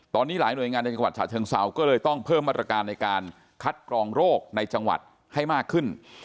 ตอนนี้หลายหน่วยงานในจังหวัดฉะเชิงเซาก็เลยต้องเพิ่มมาตรการในการคัดกรองโรคในจังหวัดให้มากขึ้น